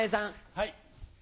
はい。